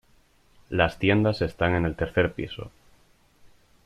Las tiendas están en el tercer piso.